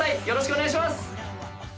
よろしくお願いします！